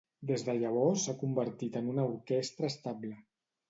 Des de llavors s'ha convertit en una orquestra estable.